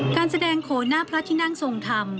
การแสดงโขนหน้าพระที่นั่งทรงธรรม